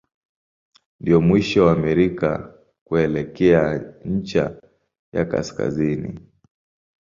Ndio mwisho wa Amerika kuelekea ncha ya kaskazini.